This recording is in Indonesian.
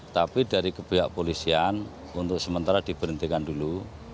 tapi dari kebiak polisian untuk sementara diberhentikan dulu